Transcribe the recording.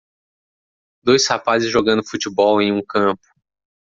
Dois rapazes jogando futebol em um campo.